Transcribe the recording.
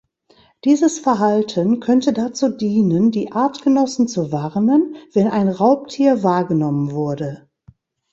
Dieses Verhalten könnte dazu dienen, die Artgenossen zu warnen, wenn ein Raubtier wahrgenommen wurde.